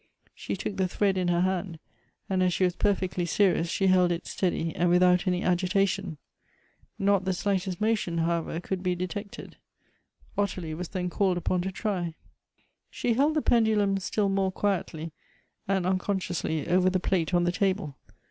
She took the thread in her hand, and as she was per fectly serious, she held it steady, and without any agita tion. Not the slightest motion, however, could be detected. Ottilie was then called upon to try. She held the pendulum still more quietly and unconsciously over the plate on the table.